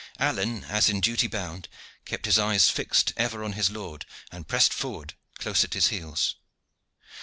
Alleyne, as in duty bound, kept his eyes fixed ever on his lord and pressed forward close at his heels.